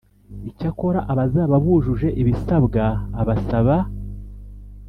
Icyakora abazaba bujuje ibisabwa abasaba